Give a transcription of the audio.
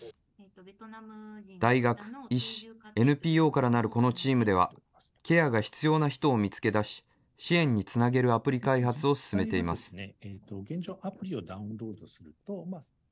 大学、医師、ＮＰＯからなるこのチームでは、ケアが必要な人を見つけだし、支援につなげるアプリ開発を進めています。